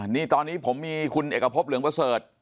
นี่ตอนนี้ผมมีคุณเอกพบเหลืองประเสริฐ